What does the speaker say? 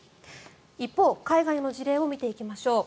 一方、海外の事例を見ていきましょう。